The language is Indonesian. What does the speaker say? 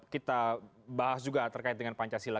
kita bahas juga terkait dengan pancasila